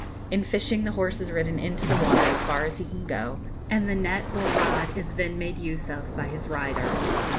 In fishing, the horse is ridden into the water as far as he can go, and the net or rod is then made use of by his rider.